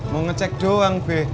mau ngecek doang be